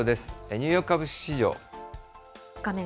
ニューヨーク株式市場。